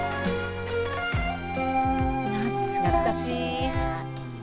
懐かしいね。